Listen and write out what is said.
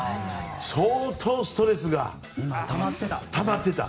相当ストレスがたまってた。